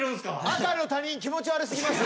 赤の他人気持ち悪過ぎます。